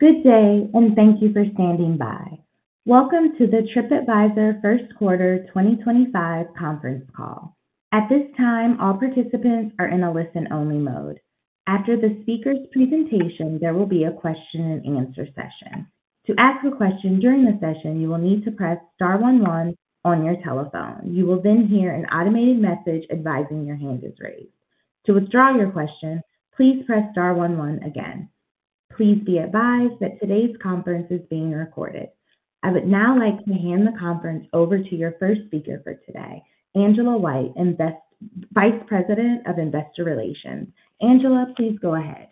Good day, and thank you for standing by. Welcome to the Tripadvisor First Quarter 2025 conference call. At this time, all participants are in a listen-only mode. After the speaker's presentation, there will be a question-and-answer session. To ask a question during the session, you will need to press star one one on your telephone. You will then hear an automated message advising your hand is raised. To withdraw your question, please press star one one again. Please be advised that today's conference is being recorded. I would now like to hand the conference over to your first speaker for today, Angela White, Vice President of Investor Relations. Angela, please go ahead.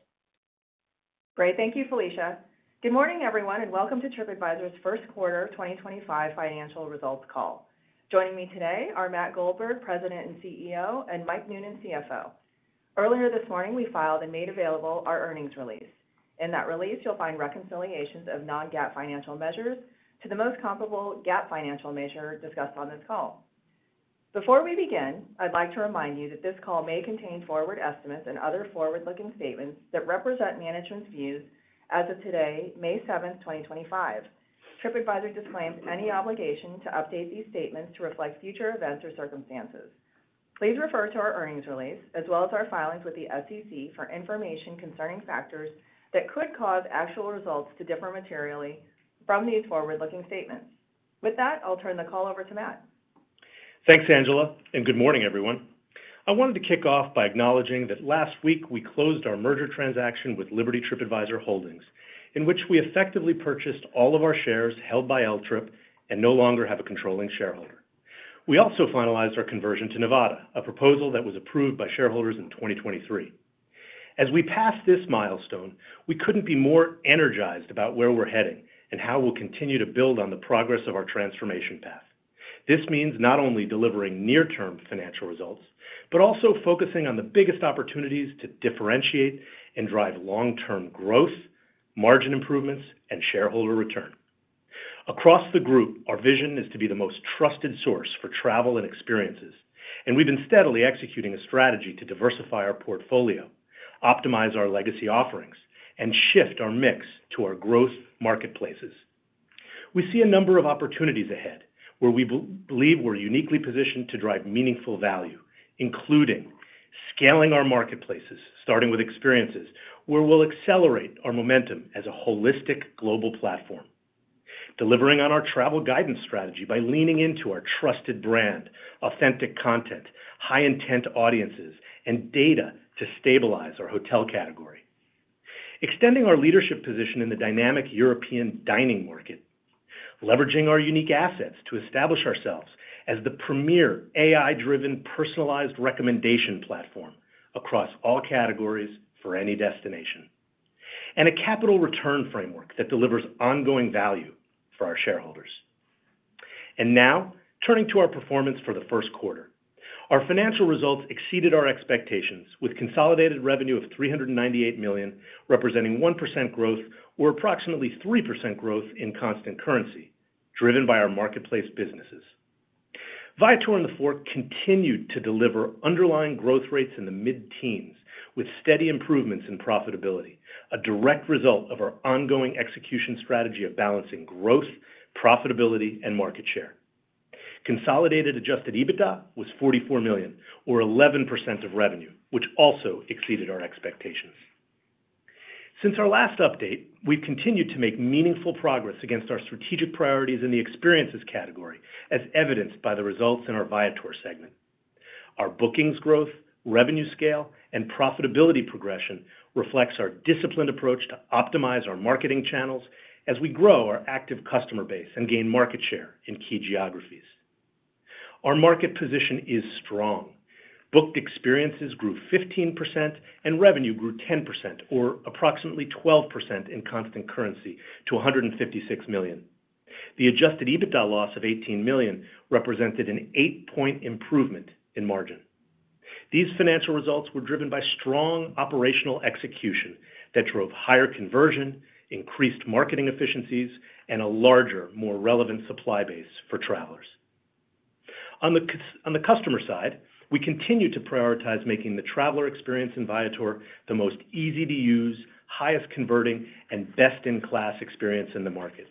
Great. Thank you, Felicia. Good morning, everyone, and welcome to Tripadvisor's First Quarter 2025 financial results call. Joining me today are Matt Goldberg, President and CEO, and Mike Noonan, CFO. Earlier this morning, we filed and made available our earnings release. In that release, you'll find reconciliations of non-GAAP financial measures to the most comparable GAAP financial measure discussed on this call. Before we begin, I'd like to remind you that this call may contain forward estimates and other forward-looking statements that represent management's views as of today, May 7, 2025. Tripadvisor disclaims any obligation to update these statements to reflect future events or circumstances. Please refer to our earnings release, as well as our filings with the SEC, for information concerning factors that could cause actual results to differ materially from these forward-looking statements. With that, I'll turn the call over to Matt. Thanks, Angela, and good morning, everyone. I wanted to kick off by acknowledging that last week we closed our merger transaction with Liberty TripAdvisor Holdings, in which we effectively purchased all of our shares held by LTRIP and no longer have a controlling shareholder. We also finalized our conversion to Nevada, a proposal that was approved by shareholders in 2023. As we pass this milestone, we couldn't be more energized about where we're heading and how we'll continue to build on the progress of our transformation path. This means not only delivering near-term financial results, but also focusing on the biggest opportunities to differentiate and drive long-term growth, margin improvements, and shareholder return. Across the group, our vision is to be the most trusted source for travel and experiences, and we've been steadily executing a strategy to diversify our portfolio, optimize our legacy offerings, and shift our mix to our growth marketplaces. We see a number of opportunities ahead where we believe we're uniquely positioned to drive meaningful value, including scaling our marketplaces, starting with experiences where we'll accelerate our momentum as a holistic global platform, delivering on our travel guidance strategy by leaning into our trusted brand, authentic content, high-intent audiences, and data to stabilize our hotel category, extending our leadership position in the dynamic European dining market, leveraging our unique assets to establish ourselves as the premier AI-driven personalized recommendation platform across all categories for any destination, and a capital return framework that delivers ongoing value for our shareholders. Now, turning to our performance for the first quarter, our financial results exceeded our expectations with consolidated revenue of $398 million, representing 1% growth or approximately 3% growth in constant currency, driven by our marketplace businesses. Viator and TheFork continued to deliver underlying growth rates in the mid-teens with steady improvements in profitability, a direct result of our ongoing execution strategy of balancing growth, profitability, and market share. Consolidated adjusted EBITDA was $44 million, or 11% of revenue, which also exceeded our expectations. Since our last update, we've continued to make meaningful progress against our strategic priorities in the experiences category, as evidenced by the results in our Viator segment. Our bookings growth, revenue scale, and profitability progression reflects our disciplined approach to optimize our marketing channels as we grow our active customer base and gain market share in key geographies. Our market position is strong. Booked experiences grew 15%, and revenue grew 10%, or approximately 12% in constant currency, to $156 million. The adjusted EBITDA loss of $18 million represented an eight-point improvement in margin. These financial results were driven by strong operational execution that drove higher conversion, increased marketing efficiencies, and a larger, more relevant supply base for travelers. On the customer side, we continue to prioritize making the traveler experience in Viator the most easy to use, highest converting, and best-in-class experience in the market.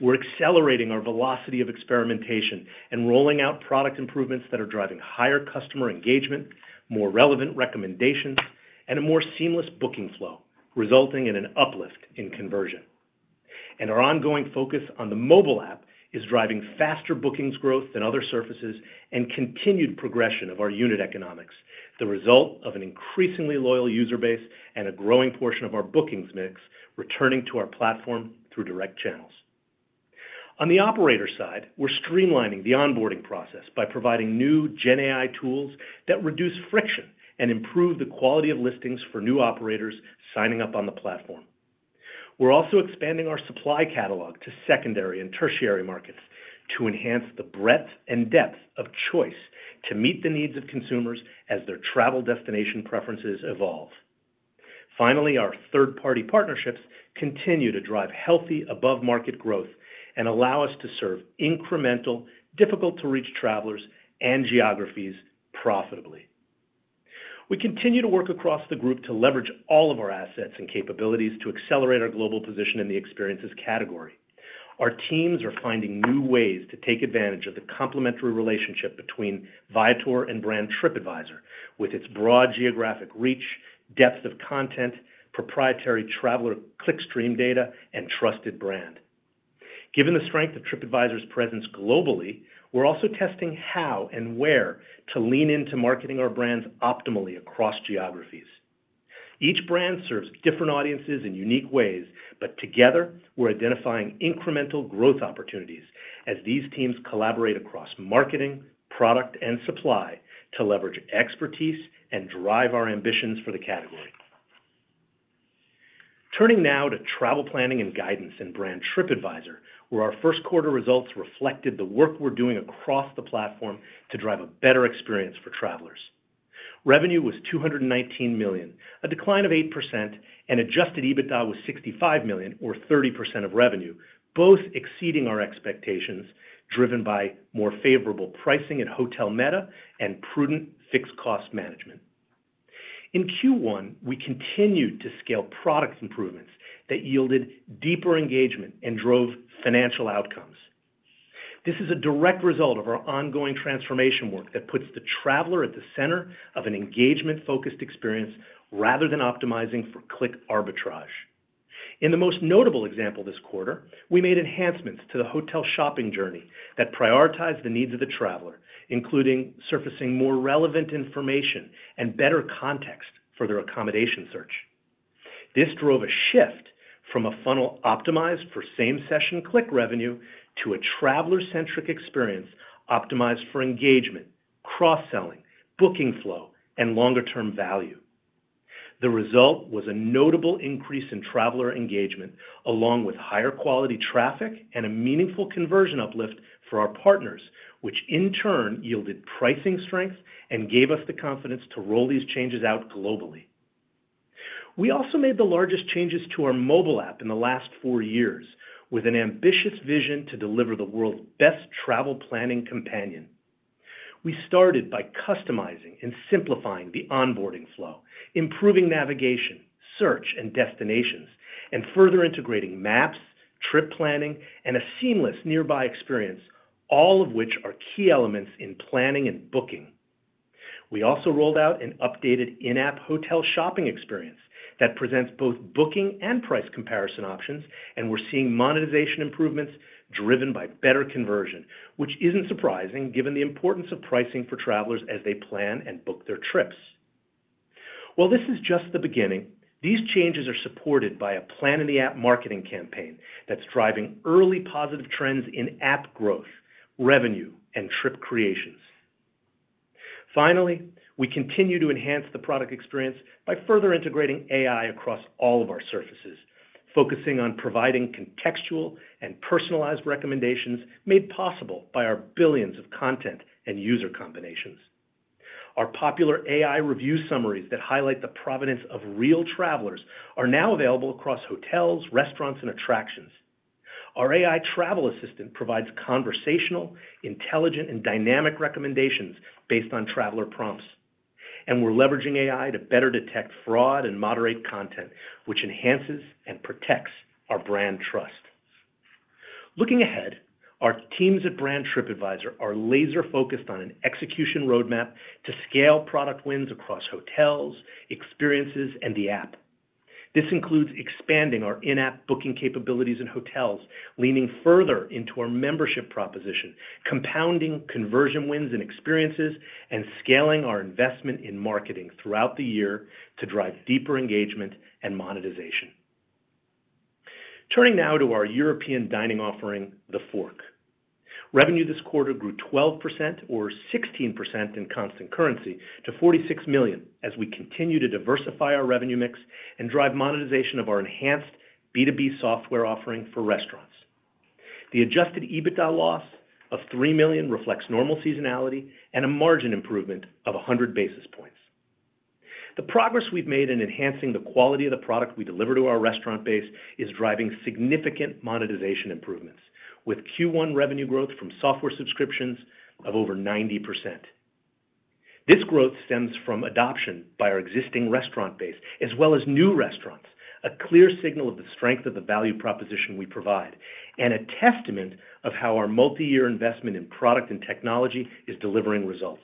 We're accelerating our velocity of experimentation and rolling out product improvements that are driving higher customer engagement, more relevant recommendations, and a more seamless booking flow, resulting in an uplift in conversion. Our ongoing focus on the mobile app is driving faster bookings growth than other services and continued progression of our unit economics, the result of an increasingly loyal user base and a growing portion of our bookings mix returning to our platform through direct channels. On the operator side, we're streamlining the onboarding process by providing new GenAI tools that reduce friction and improve the quality of listings for new operators signing up on the platform. We're also expanding our supply catalog to secondary and tertiary markets to enhance the breadth and depth of choice to meet the needs of consumers as their travel destination preferences evolve. Finally, our third-party partnerships continue to drive healthy above-market growth and allow us to serve incremental, difficult-to-reach travelers and geographies profitably. We continue to work across the group to leverage all of our assets and capabilities to accelerate our global position in the experiences category. Our teams are finding new ways to take advantage of the complementary relationship between Viator and brand Tripadvisor with its broad geographic reach, depth of content, proprietary traveler clickstream data, and trusted brand. Given the strength of Tripadvisor's presence globally, we're also testing how and where to lean into marketing our brands optimally across geographies. Each brand serves different audiences in unique ways, but together, we're identifying incremental growth opportunities as these teams collaborate across marketing, product, and supply to leverage expertise and drive our ambitions for the category. Turning now to travel planning and guidance in brand Tripadvisor, where our first-quarter results reflected the work we're doing across the platform to drive a better experience for travelers. Revenue was $219 million, a decline of 8%, and adjusted EBITDA was $65 million, or 30% of revenue, both exceeding our expectations driven by more favorable pricing at Hotel Meta and prudent fixed-cost management. In Q1, we continued to scale product improvements that yielded deeper engagement and drove financial outcomes. This is a direct result of our ongoing transformation work that puts the traveler at the center of an engagement-focused experience rather than optimizing for click arbitrage. In the most notable example this quarter, we made enhancements to the hotel shopping journey that prioritized the needs of the traveler, including surfacing more relevant information and better context for their accommodation search. This drove a shift from a funnel optimized for same-session click revenue to a traveler-centric experience optimized for engagement, cross-selling, booking flow, and longer-term value. The result was a notable increase in traveler engagement, along with higher quality traffic and a meaningful conversion uplift for our partners, which in turn yielded pricing strength and gave us the confidence to roll these changes out globally. We also made the largest changes to our mobile app in the last four years with an ambitious vision to deliver the world's best travel planning companion. We started by customizing and simplifying the onboarding flow, improving navigation, search, and destinations, and further integrating maps, trip planning, and a seamless nearby experience, all of which are key elements in planning and booking. We also rolled out an updated in-app hotel shopping experience that presents both booking and price comparison options, and we're seeing monetization improvements driven by better conversion, which isn't surprising given the importance of pricing for travelers as they plan and book their trips. While this is just the beginning, these changes are supported by a plan-in-the-app marketing campaign that's driving early positive trends in app growth, revenue, and trip creations. Finally, we continue to enhance the product experience by further integrating AI across all of our surfaces, focusing on providing contextual and personalized recommendations made possible by our billions of content and user combinations. Our popular AI review summaries that highlight the provenance of real travelers are now available across hotels, restaurants, and attractions. Our AI travel assistant provides conversational, intelligent, and dynamic recommendations based on traveler prompts, and we're leveraging AI to better detect fraud and moderate content, which enhances and protects our brand trust. Looking ahead, our teams at brand Tripadvisor are laser-focused on an execution roadmap to scale product wins across hotels, experiences, and the app. This includes expanding our in-app booking capabilities in hotels, leaning further into our membership proposition, compounding conversion wins and experiences, and scaling our investment in marketing throughout the year to drive deeper engagement and monetization. Turning now to our European dining offering, TheFork. Revenue this quarter grew 12%, or 16% in constant currency, to $46 million as we continue to diversify our revenue mix and drive monetization of our enhanced B2B software offering for restaurants. The adjusted EBITDA loss of $3 million reflects normal seasonality and a margin improvement of 100 basis points. The progress we've made in enhancing the quality of the product we deliver to our restaurant base is driving significant monetization improvements, with Q1 revenue growth from software subscriptions of over 90%. This growth stems from adoption by our existing restaurant base as well as new restaurants, a clear signal of the strength of the value proposition we provide and a testament of how our multi-year investment in product and technology is delivering results.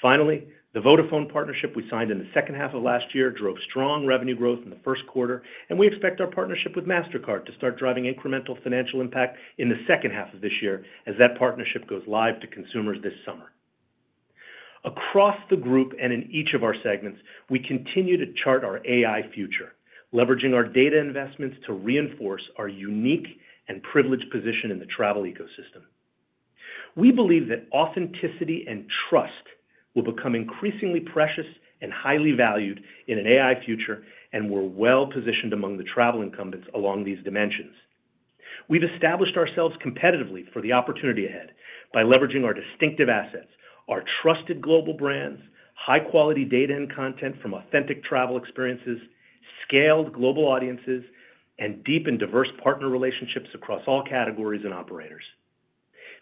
Finally, the Vodafone partnership we signed in the second half of last year drove strong revenue growth in the first quarter, and we expect our partnership with Mastercard to start driving incremental financial impact in the second half of this year as that partnership goes live to consumers this summer. Across the group and in each of our segments, we continue to chart our AI future, leveraging our data investments to reinforce our unique and privileged position in the travel ecosystem. We believe that authenticity and trust will become increasingly precious and highly valued in an AI future, and we're well-positioned among the travel incumbents along these dimensions. We've established ourselves competitively for the opportunity ahead by leveraging our distinctive assets, our trusted global brands, high-quality data and content from authentic travel experiences, scaled global audiences, and deep and diverse partner relationships across all categories and operators.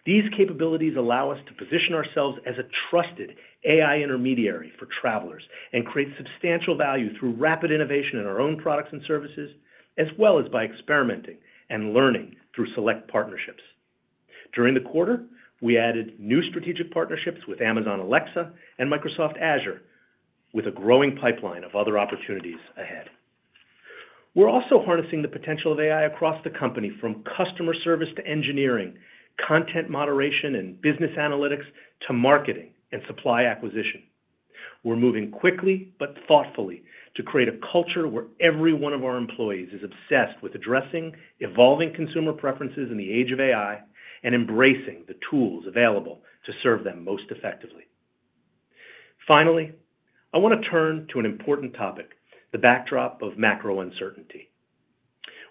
These capabilities allow us to position ourselves as a trusted AI intermediary for travelers and create substantial value through rapid innovation in our own products and services, as well as by experimenting and learning through select partnerships. During the quarter, we added new strategic partnerships with Amazon Alexa and Microsoft Azure, with a growing pipeline of other opportunities ahead. We're also harnessing the potential of AI across the company, from customer service to engineering, content moderation and business analytics to marketing and supply acquisition. We're moving quickly but thoughtfully to create a culture where every one of our employees is obsessed with addressing evolving consumer preferences in the age of AI and embracing the tools available to serve them most effectively. Finally, I want to turn to an important topic, the backdrop of macro uncertainty.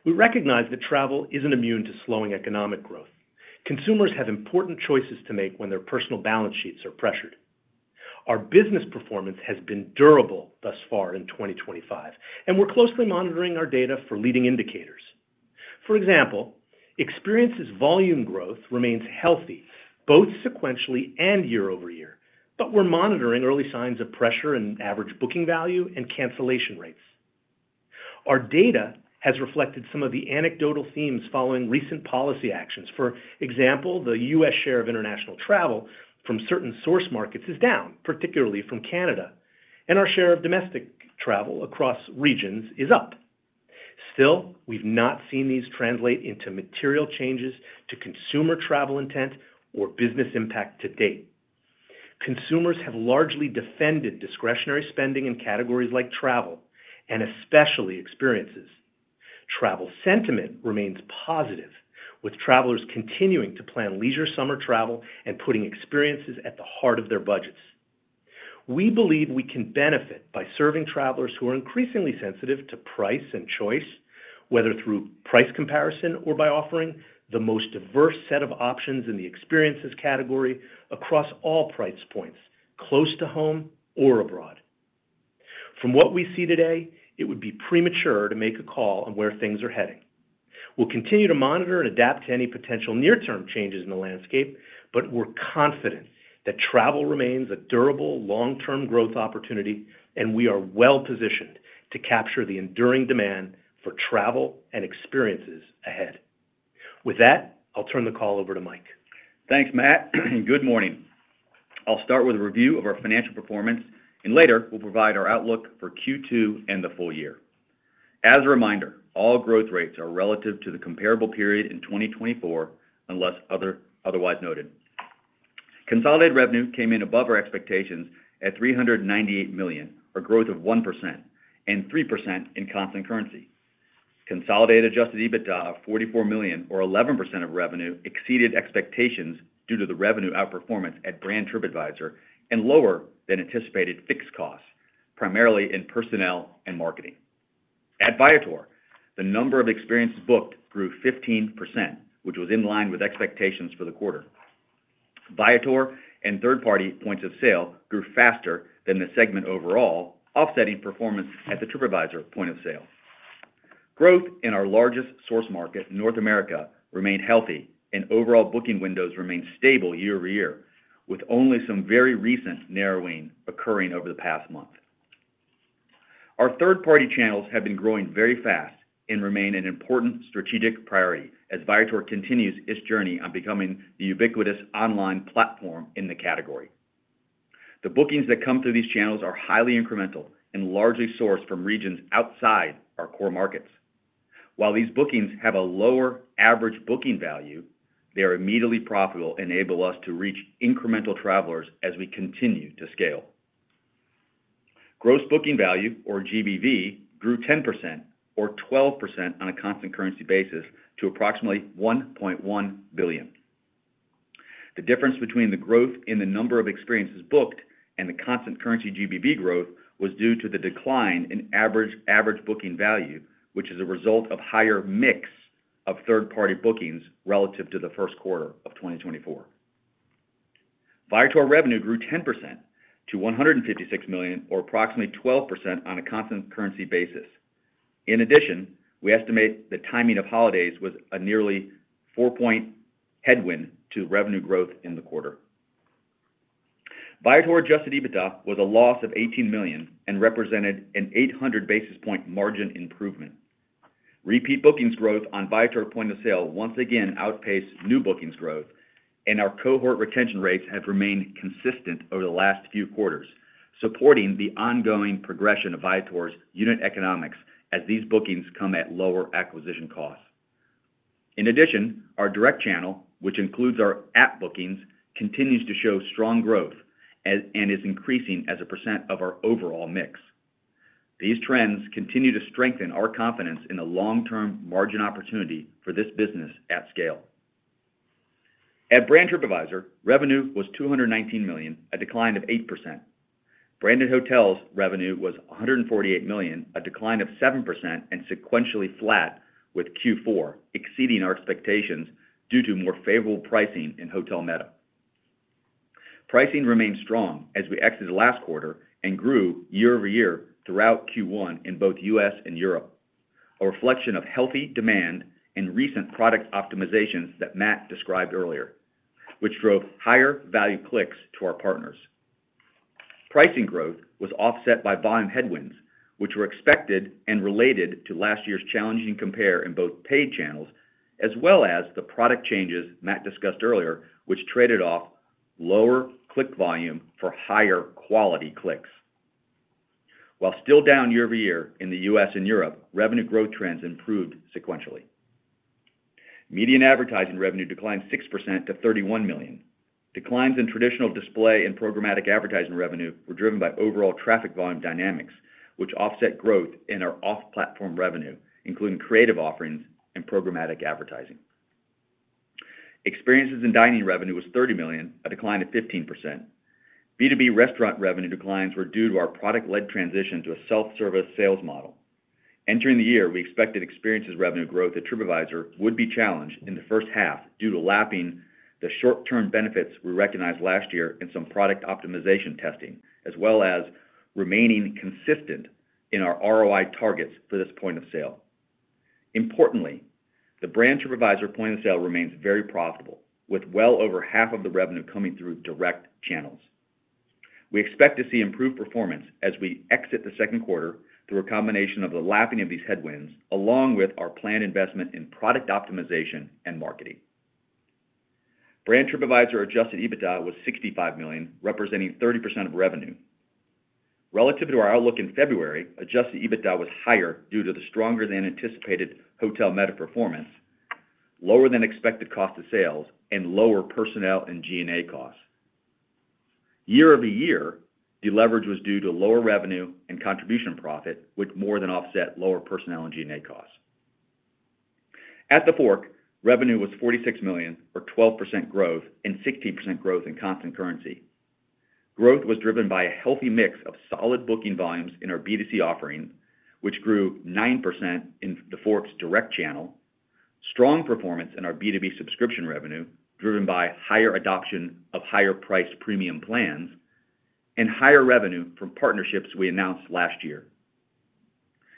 We recognize that travel isn't immune to slowing economic growth. Consumers have important choices to make when their personal balance sheets are pressured. Our business performance has been durable thus far in 2025, and we're closely monitoring our data for leading indicators. For example, experiences volume growth remains healthy both sequentially and year over year, but we're monitoring early signs of pressure in average booking value and cancellation rates. Our data has reflected some of the anecdotal themes following recent policy actions. For example, the U.S. share of international travel from certain source markets is down, particularly from Canada, and our share of domestic travel across regions is up. Still, we've not seen these translate into material changes to consumer travel intent or business impact to date. Consumers have largely defended discretionary spending in categories like travel and especially experiences. Travel sentiment remains positive, with travelers continuing to plan leisure summer travel and putting experiences at the heart of their budgets. We believe we can benefit by serving travelers who are increasingly sensitive to price and choice, whether through price comparison or by offering the most diverse set of options in the experiences category across all price points, close to home or abroad. From what we see today, it would be premature to make a call on where things are heading. We'll continue to monitor and adapt to any potential near-term changes in the landscape, but we're confident that travel remains a durable long-term growth opportunity, and we are well-positioned to capture the enduring demand for travel and experiences ahead. With that, I'll turn the call over to Mike. Thanks, Matt. Good morning. I'll start with a review of our financial performance, and later we'll provide our outlook for Q2 and the full year. As a reminder, all growth rates are relative to the comparable period in 2024 unless otherwise noted. Consolidated revenue came in above our expectations at $398 million, a growth of 1%, and 3% in constant currency. Consolidated adjusted EBITDA of $44 million, or 11% of revenue, exceeded expectations due to the revenue outperformance at brand Tripadvisor and lower than anticipated fixed costs, primarily in personnel and marketing. At Viator, the number of experiences booked grew 15%, which was in line with expectations for the quarter. Viator and third-party points of sale grew faster than the segment overall, offsetting performance at the Tripadvisor point of sale. Growth in our largest source market, North America, remained healthy, and overall booking windows remained stable year-over-year, with only some very recent narrowing occurring over the past month. Our third-party channels have been growing very fast and remain an important strategic priority as Viator continues its journey on becoming the ubiquitous online platform in the category. The bookings that come through these channels are highly incremental and largely sourced from regions outside our core markets. While these bookings have a lower average booking value, they are immediately profitable and enable us to reach incremental travelers as we continue to scale. Gross booking value, or GBV, grew 10% or 12% on a constant currency basis to approximately $1.1 billion. The difference between the growth in the number of experiences booked and the constant currency GBV growth was due to the decline in average booking value, which is a result of a higher mix of third-party bookings relative to the first quarter of 2024. Viator revenue grew 10% to $156 million, or approximately 12% on a constant currency basis. In addition, we estimate the timing of holidays was a nearly 4-point headwind to revenue growth in the quarter. Viator adjusted EBITDA was a loss of $18 million and represented an 800 basis point margin improvement. Repeat bookings growth on Viator point of sale once again outpaced new bookings growth, and our cohort retention rates have remained consistent over the last few quarters, supporting the ongoing progression of Viator's unit economics as these bookings come at lower acquisition costs. In addition, our direct channel, which includes our app bookings, continues to show strong growth and is increasing as a percent of our overall mix. These trends continue to strengthen our confidence in the long-term margin opportunity for this business at scale. At brand Tripadvisor, revenue was $219 million, a decline of 8%. Branded hotels' revenue was $148 million, a decline of 7% and sequentially flat with Q4, exceeding our expectations due to more favorable pricing in Hotel Meta. Pricing remained strong as we exited last quarter and grew year-over-year throughout Q1 in both U.S. and Europe, a reflection of healthy demand and recent product optimizations that Matt described earlier, which drove higher value clicks to our partners. Pricing growth was offset by volume headwinds, which were expected and related to last year's challenging compare in both paid channels as well as the product changes Matt discussed earlier, which traded off lower click volume for higher quality clicks. While still down year-over-year in the U.S. and Europe, revenue growth trends improved sequentially. Median advertising revenue declined 6% to $31 million. Declines in traditional display and programmatic advertising revenue were driven by overall traffic volume dynamics, which offset growth in our off-platform revenue, including creative offerings and programmatic advertising. Experiences and dining revenue was $30 million, a decline of 15%. B2B restaurant revenue declines were due to our product-led transition to a self-service sales model. Entering the year, we expected experiences revenue growth at Tripadvisor would be challenged in the first half due to lapping the short-term benefits we recognized last year in some product optimization testing, as well as remaining consistent in our ROI targets for this point of sale. Importantly, the brand Tripadvisor point of sale remains very profitable, with well over half of the revenue coming through direct channels. We expect to see improved performance as we exit the second quarter through a combination of the lapping of these headwinds, along with our planned investment in product optimization and marketing. Brand Tripadvisor adjusted EBITDA was $65 million, representing 30% of revenue. Relative to our outlook in February, adjusted EBITDA was higher due to the stronger-than-anticipated Hotel Meta performance, lower-than-expected cost of sales, and lower personnel and G&A costs. Year-over-year, the leverage was due to lower revenue and contribution profit, which more than offset lower personnel and G&A costs. At TheFork, revenue was $46 million, or 12% growth and 16% growth in constant currency. Growth was driven by a healthy mix of solid booking volumes in our B2C offering, which grew 9% in TheFork's direct channel, strong performance in our B2B subscription revenue driven by higher adoption of higher-priced premium plans, and higher revenue from partnerships we announced last year.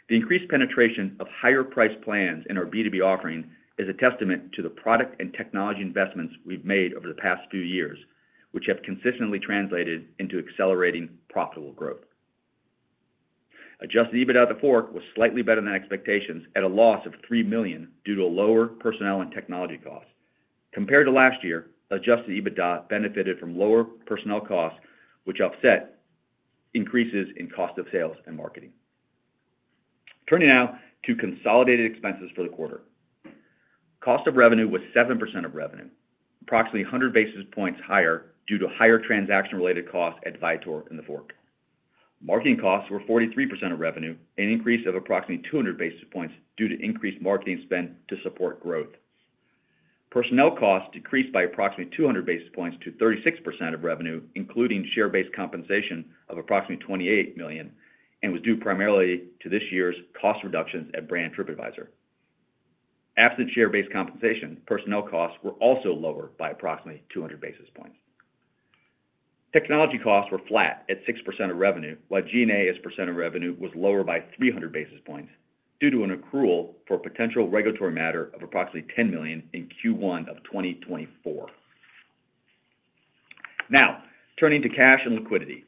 The increased penetration of higher-priced plans in our B2B offering is a testament to the product and technology investments we've made over the past few years, which have consistently translated into accelerating profitable growth. Adjusted EBITDA at TheFork was slightly better than expectations at a loss of $3 million due to lower personnel and technology costs. Compared to last year, adjusted EBITDA benefited from lower personnel costs, which offset increases in cost of sales and marketing. Turning now to consolidated expenses for the quarter. Cost of revenue was 7% of revenue, approximately 100 basis points higher due to higher transaction-related costs at Viator and TheFork. Marketing costs were 43% of revenue, an increase of approximately 200 basis points due to increased marketing spend to support growth. Personnel costs decreased by approximately 200 basis points to 36% of revenue, including share-based compensation of approximately $28 million, and was due primarily to this year's cost reductions at brand Tripadvisor. Absent share-based compensation, personnel costs were also lower by approximately 200 basis points. Technology costs were flat at 6% of revenue, while G&A's percent of revenue was lower by 300 basis points due to an accrual for a potential regulatory matter of approximately $10 million in Q1 of 2024. Now, turning to cash and liquidity.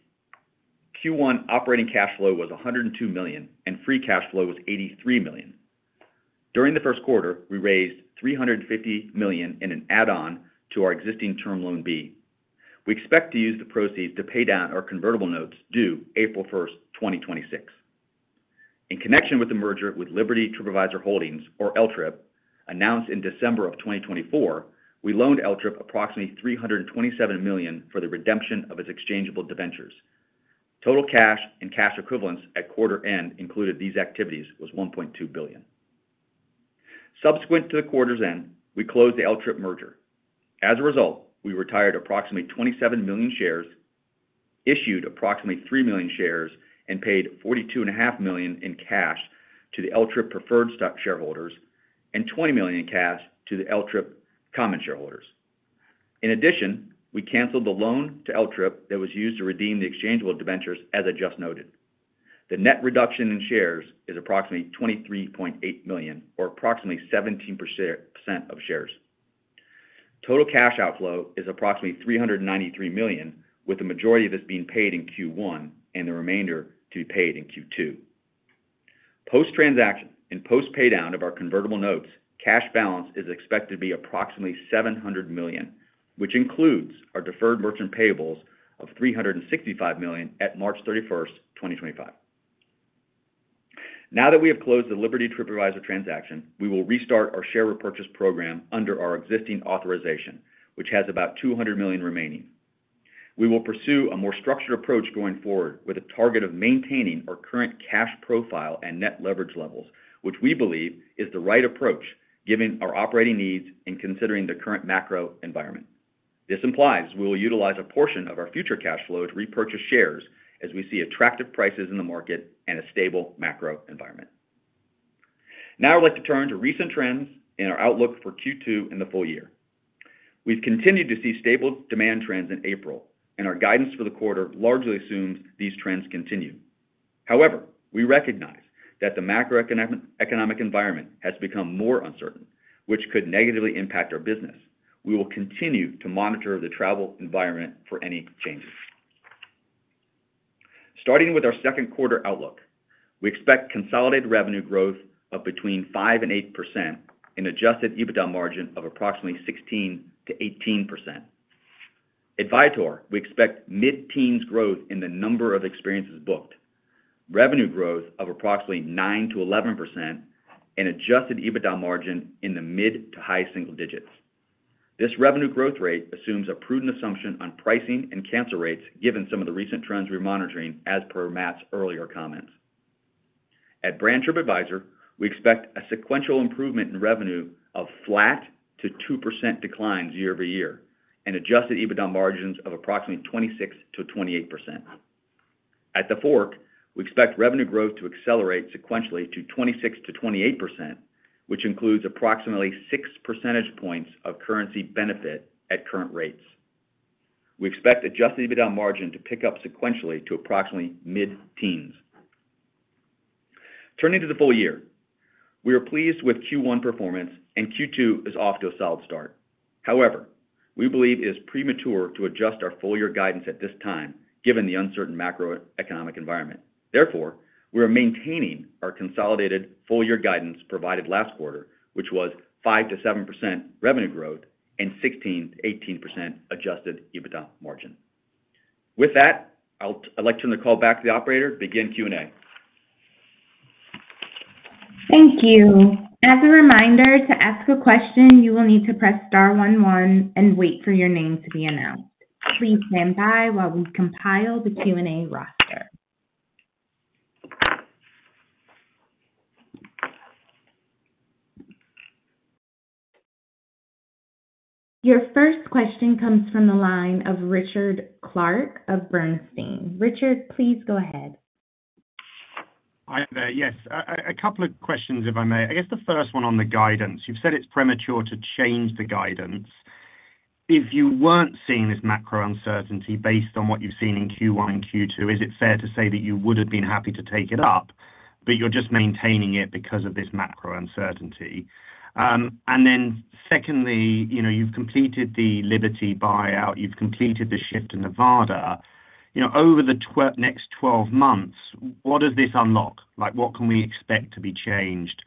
Q1 operating cash flow was $102 million, and free cash flow was $83 million. During the first quarter, we raised $350 million in an add-on to our existing term loan B. We expect to use the proceeds to pay down our convertible notes due April 1st, 2026. In connection with the merger with Liberty TripAdvisor Holdings, or LTRIP, announced in December of 2024, we loaned LTRIP approximately $327 million for the redemption of its exchangeable debentures. Total cash and cash equivalents at quarter-end included these activities was $1.2 billion. Subsequent to the quarter's end, we closed the LTRIP merger. As a result, we retired approximately 27 million shares, issued approximately 3 million shares, and paid $42.5 million in cash to the LTRIP preferred shareholders and $20 million in cash to the LTRIP common shareholders. In addition, we canceled the loan to LTRIP that was used to redeem the exchangeable debentures, as I just noted. The net reduction in shares is approximately 23.8 million, or approximately 17% of shares. Total cash outflow is approximately $393 million, with the majority of this being paid in Q1 and the remainder to be paid in Q2. Post-transaction and post-paydown of our convertible notes, cash balance is expected to be approximately $700 million, which includes our deferred merchant payables of $365 million at March 31st, 2025. Now that we have closed the Liberty TripAdvisor transaction, we will restart our share repurchase program under our existing authorization, which has about $200 million remaining. We will pursue a more structured approach going forward with a target of maintaining our current cash profile and net leverage levels, which we believe is the right approach given our operating needs and considering the current macro environment. This implies we will utilize a portion of our future cash flow to repurchase shares as we see attractive prices in the market and a stable macro environment. Now I'd like to turn to recent trends in our outlook for Q2 and the full year. We've continued to see stable demand trends in April, and our guidance for the quarter largely assumes these trends continue. However, we recognize that the macroeconomic environment has become more uncertain, which could negatively impact our business. We will continue to monitor the travel environment for any changes. Starting with our second quarter outlook, we expect consolidated revenue growth of between 5% and 8% and adjusted EBITDA margin of approximately 16%-18%. At Viator, we expect mid-teens growth in the number of experiences booked, revenue growth of approximately 9%-11%, and adjusted EBITDA margin in the mid to high single digits. This revenue growth rate assumes a prudent assumption on pricing and cancel rates, given some of the recent trends we're monitoring, as per Matt's earlier comments. At brand Tripadvisor, we expect a sequential improvement in revenue of flat to 2% declines year-over-year and adjusted EBITDA margins of approximately 26%-28%. At TheFork, we expect revenue growth to accelerate sequentially to 26%-28%, which includes approximately 6 percentage points of currency benefit at current rates. We expect adjusted EBITDA margin to pick up sequentially to approximately mid-teens. Turning to the full year, we are pleased with Q1 performance, and Q2 is off to a solid start. However, we believe it is premature to adjust our full-year guidance at this time, given the uncertain macroeconomic environment. Therefore, we are maintaining our consolidated full-year guidance provided last quarter, which was 5%-7% revenue growth and 16%-18% adjusted EBITDA margin. With that, I'd like to turn the call back to the operator to begin Q&A. Thank you. As a reminder, to ask a question, you will need to press star one one and wait for your name to be announced. Please stand by while we compile the Q&A roster. Your first question comes from the line of Richard Clarke of Bernstein. Richard, please go ahead. Yes, a couple of questions, if I may. I guess the first one on the guidance. You've said it's premature to change the guidance. If you weren't seeing this macro uncertainty based on what you've seen in Q1 and Q2, is it fair to say that you would have been happy to take it up, but you're just maintaining it because of this macro uncertainty? Secondly, you've completed the Liberty buyout. You've completed the shift to Nevada. Over the next 12 months, what does this unlock? What can we expect to be changed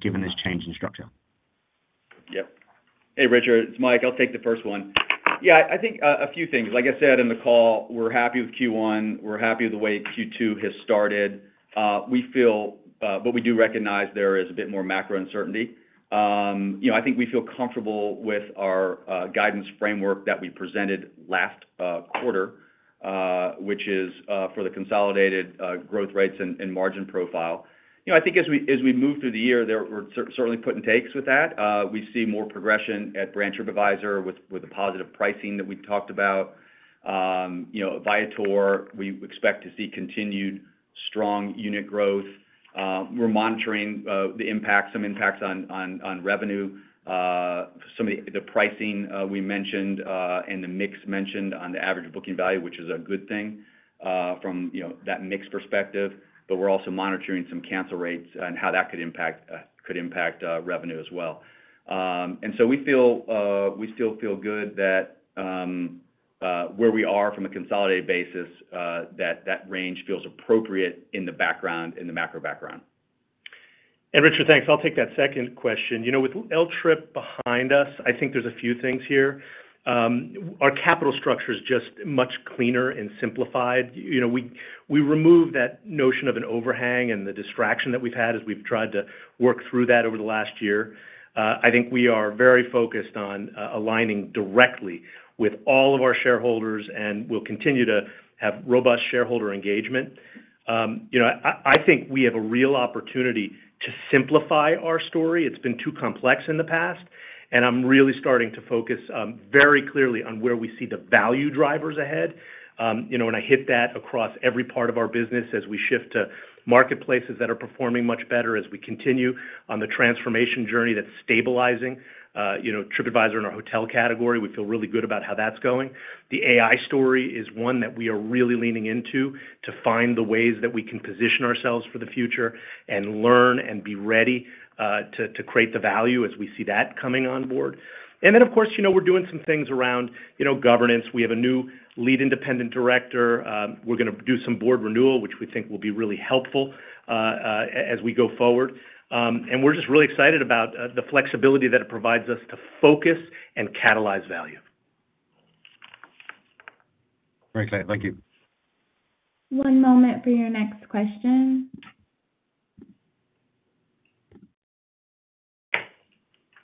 given this change in structure? Yep. Hey, Richard, it's Mike. I'll take the first one. Yeah, I think a few things. Like I said in the call, we're happy with Q1. We're happy with the way Q2 has started. We feel what we do recognize there is a bit more macro uncertainty. I think we feel comfortable with our guidance framework that we presented last quarter, which is for the consolidated growth rates and margin profile. I think as we move through the year, there were certainly puts and takes with that. We see more progression at brand Tripadvisor with the positive pricing that we talked about. Viator, we expect to see continued strong unit growth. We're monitoring the impact, some impacts on revenue, some of the pricing we mentioned, and the mix mentioned on the average booking value, which is a good thing from that mix perspective. We're also monitoring some cancel rates and how that could impact revenue as well. We still feel good that where we are from a consolidated basis, that range feels appropriate in the macro background. Richard, thanks. I'll take that second question. With LTRIP behind us, I think there's a few things here. Our capital structure is just much cleaner and simplified. We removed that notion of an overhang and the distraction that we've had as we've tried to work through that over the last year. I think we are very focused on aligning directly with all of our shareholders and will continue to have robust shareholder engagement. I think we have a real opportunity to simplify our story. It's been too complex in the past, and I'm really starting to focus very clearly on where we see the value drivers ahead. I hit that across every part of our business as we shift to marketplaces that are performing much better as we continue on the transformation journey that's stabilizing. Tripadvisor in our hotel category, we feel really good about how that's going. The AI story is one that we are really leaning into to find the ways that we can position ourselves for the future and learn and be ready to create the value as we see that coming on board. Of course, we're doing some things around governance. We have a new lead independent director. We're going to do some board renewal, which we think will be really helpful as we go forward. We're just really excited about the flexibility that it provides us to focus and catalyze value. Great. Thank you. One moment for your next question.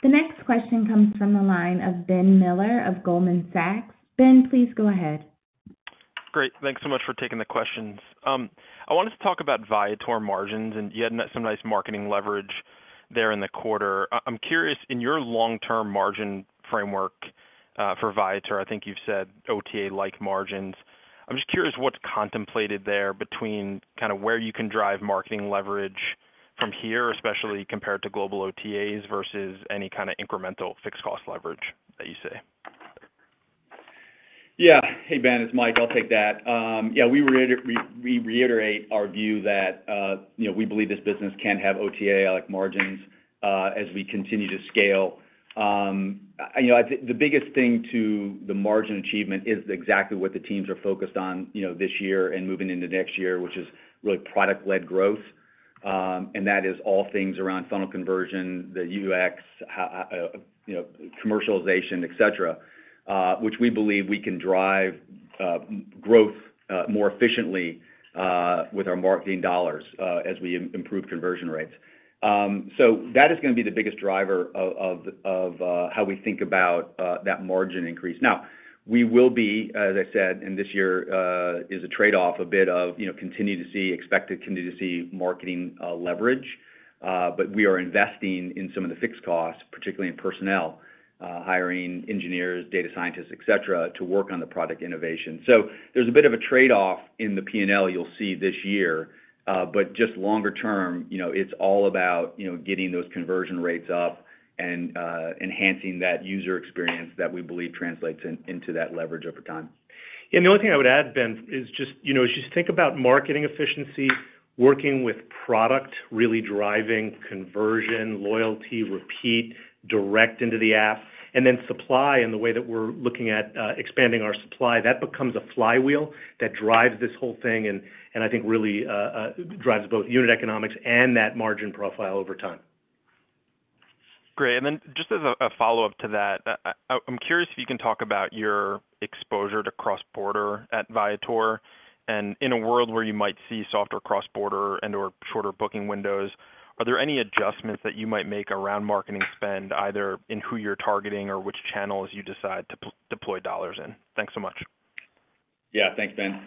The next question comes from the line of Ben Miller of Goldman Sachs. Ben, please go ahead. Great. Thanks so much for taking the questions. I wanted to talk about Viator margins, and you had some nice marketing leverage there in the quarter. I'm curious, in your long-term margin framework for Viator, I think you've said OTA-like margins. I'm just curious what's contemplated there between kind of where you can drive marketing leverage from here, especially compared to global OTAs versus any kind of incremental fixed-cost leverage that you say. Yeah. Hey, Ben, it's Mike. I'll take that. Yeah, we reiterate our view that we believe this business can have OTA-like margins as we continue to scale. The biggest thing to the margin achievement is exactly what the teams are focused on this year and moving into next year, which is really product-led growth. That is all things around funnel conversion, the UX, commercialization, etc., which we believe we can drive growth more efficiently with our marketing dollars as we improve conversion rates. That is going to be the biggest driver of how we think about that margin increase. Now, we will be, as I said, and this year is a trade-off a bit of continue to see, expected continue to see, marketing leverage, but we are investing in some of the fixed costs, particularly in personnel, hiring engineers, data scientists, etc., to work on the product innovation. There is a bit of a trade-off in the P&L you'll see this year, but just longer term, it's all about getting those conversion rates up and enhancing that user experience that we believe translates into that leverage over time. Yeah, and the only thing I would add, Ben, is just as you think about marketing efficiency, working with product really driving conversion, loyalty, repeat, direct into the app, and then supply in the way that we're looking at expanding our supply, that becomes a flywheel that drives this whole thing and I think really drives both unit economics and that margin profile over time. Great. And then just as a follow-up to that, I'm curious if you can talk about your exposure to cross-border at Viator. In a world where you might see software cross-border and/or shorter booking windows, are there any adjustments that you might make around marketing spend, either in who you're targeting or which channels you decide to deploy dollars in? Thanks so much. Yeah, thanks, Ben.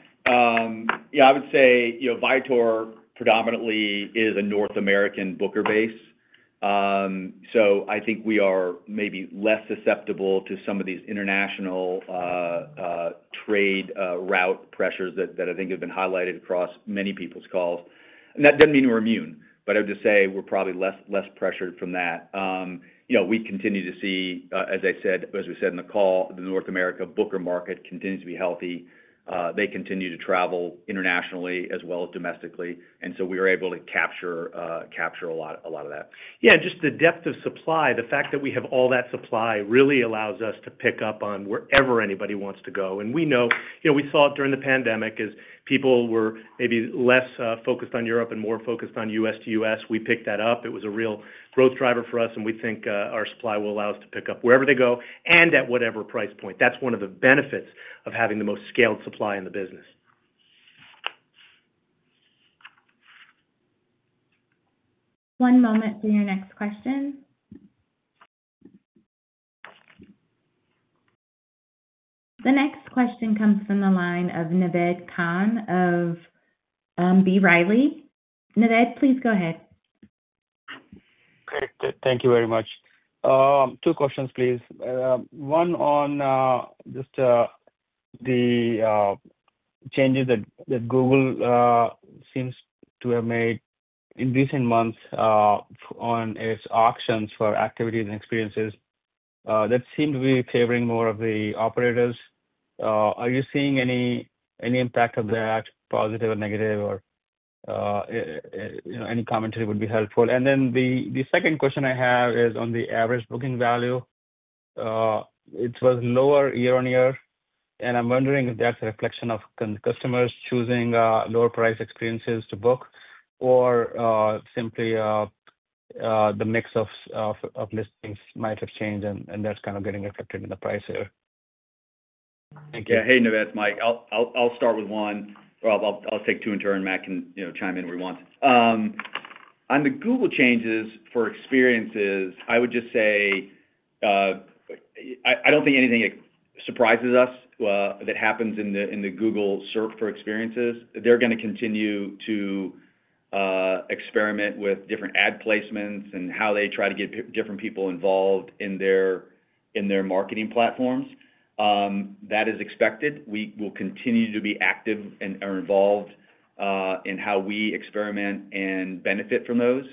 Yeah, I would say Viator predominantly is a North American booker base. I think we are maybe less susceptible to some of these international trade route pressures that I think have been highlighted across many people's calls. That does not mean we are immune, but I would just say we are probably less pressured from that. We continue to see, as I said, as we said in the call, the North America booker market continues to be healthy. They continue to travel internationally as well as domestically. We are able to capture a lot of that. Yeah, just the depth of supply, the fact that we have all that supply really allows us to pick up on wherever anybody wants to go. We know we saw it during the pandemic as people were maybe less focused on Europe and more focused on U.S. to U.S. We picked that up. It was a real growth driver for us, and we think our supply will allow us to pick up wherever they go and at whatever price point. That's one of the benefits of having the most scaled supply in the business. One moment for your next question. The next question comes from the line of Naved Khan of B. Riley. Naved, please go ahead. Okay. Thank you very much. Two questions, please. One on just the changes that Google seems to have made in recent months on its auctions for activities and experiences that seem to be favoring more of the operators. Are you seeing any impact of that, positive or negative, or any commentary would be helpful? The second question I have is on the average booking value. It was lower year on year, and I'm wondering if that's a reflection of customers choosing lower-priced experiences to book or simply the mix of listings might have changed and that's kind of getting reflected in the price here. Thank you. Yeah. Hey, Naved, Mike. I'll start with one. I'll take two in turn. Matt can chime in if he wants. On the Google changes for experiences, I would just say I don't think anything surprises us that happens in the Google search for experiences. They're going to continue to experiment with different ad placements and how they try to get different people involved in their marketing platforms. That is expected. We will continue to be active and involved in how we experiment and benefit from those.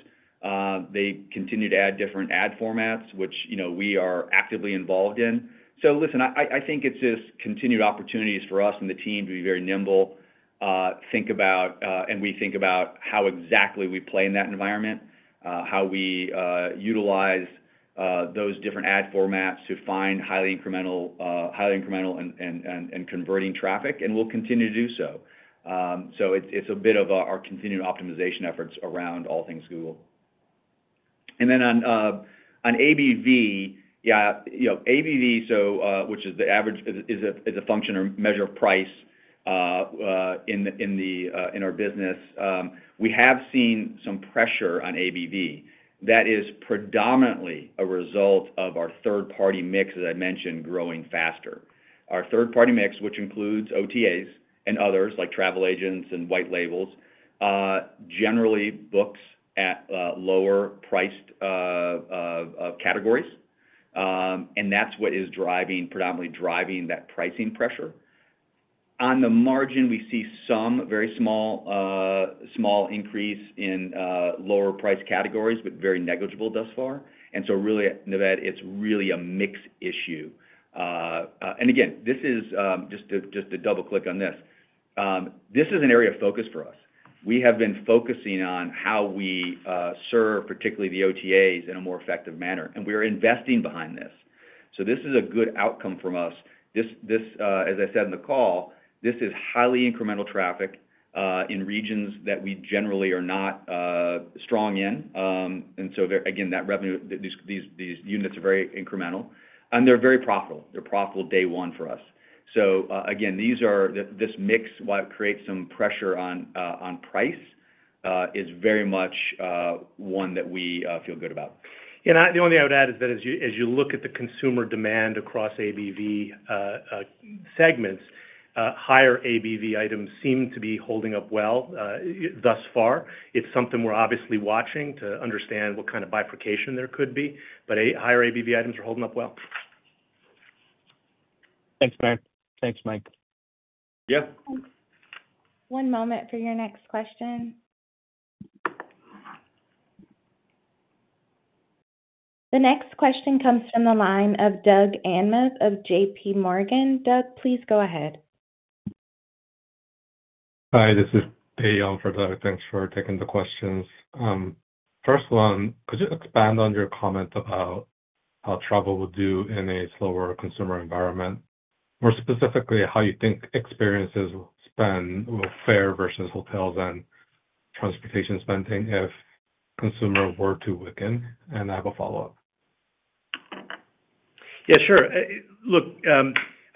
They continue to add different ad formats, which we are actively involved in. Listen, I think it's just continued opportunities for us and the team to be very nimble, think about, and we think about how exactly we play in that environment, how we utilize those different ad formats to find highly incremental and converting traffic, and we'll continue to do so. It's a bit of our continued optimization efforts around all things Google. On ABV, yeah, ABV, which is the average, is a function or measure of price in our business. We have seen some pressure on ABV. That is predominantly a result of our third-party mix, as I mentioned, growing faster. Our third-party mix, which includes OTAs and others like travel agents and white labels, generally books at lower-priced categories. That's what is predominantly driving that pricing pressure. On the margin, we see some very small increase in lower-priced categories, but very negligible thus far. Really, Naved, it's really a mixed issue. Again, this is just to double-click on this. This is an area of focus for us. We have been focusing on how we serve, particularly the OTAs, in a more effective manner. We are investing behind this. This is a good outcome for us. As I said in the call, this is highly incremental traffic in regions that we generally are not strong in. Again, these units are very incremental. They are very profitable. They are profitable day one for us. Again, this mix, while it creates some pressure on price, is very much one that we feel good about. Yeah. The only thing I would add is that as you look at the consumer demand across ABV segments, higher ABV items seem to be holding up well thus far. It's something we're obviously watching to understand what kind of bifurcation there could be. But higher ABV items are holding up well. Thanks, Matt. Thanks, Mike. Yeah. One moment for your next question. The next question comes from the line of Doug Anmuth of JPMorgan. Doug, please go ahead. Hi. This is Dave for Doug. Thanks for taking the questions. First one, could you expand on your comment about how travel will do in a slower consumer environment? More specifically, how you think experiences will spend, will fare versus hotels and transportation spending if consumers were to weaken? And I have a follow-up. Yeah, sure. Look,